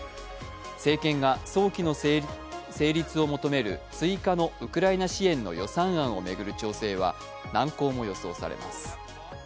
政権が早期の成立を求める追加のウクライナ支援の予算案を巡る調整は難航も予想されます。